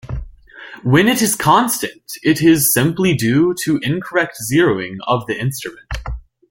When it is constant, it is simply due to incorrect zeroing of the instrument.